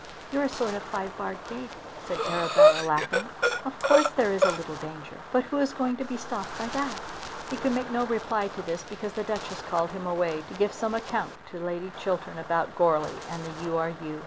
"You're a sort of a five barred gate," said Arabella laughing. "Of course there is a little danger, but who is going to be stopped by that?" He could make no reply to this because the Duchess called him away to give some account to Lady Chiltern about Goarly and the U. R. U.